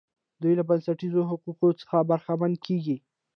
دوی له بنسټیزو حقوقو څخه برخمن کیږي.